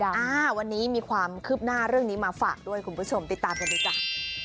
อ่าวันนี้มีความคืบหน้าเรื่องนี้มาฝากด้วยคุณผู้ชมติดตามกันด้วยจ้ะ